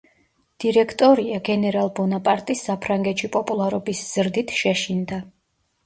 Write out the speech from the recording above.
დირექტორია გენერალ ბონაპარტის საფრანგეთში პოპულარობის ზრდით შეშინდა.